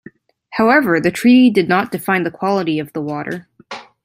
However the treaty did not define the quality of the water.